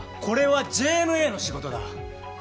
これはＪＭＡの仕事だ。